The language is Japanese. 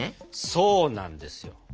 そうなんですよ。